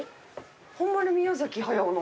ホンマに宮崎駿の？